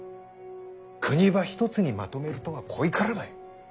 国ば一つにまとめるとはこいからばい。